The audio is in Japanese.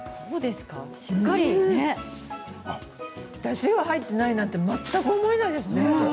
だしが入っていないなんて全く思えないですね。